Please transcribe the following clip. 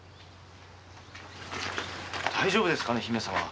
大丈夫ですかね姫様は。